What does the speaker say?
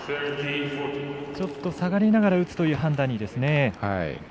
ちょっと、下がりながら打つという判断に。